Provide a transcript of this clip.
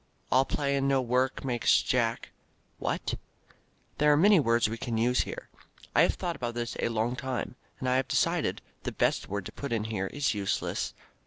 All play and no work makes Jack what? There are many words we can use here. I have thought about this a long time and I have decided that the best word to put in here is useless.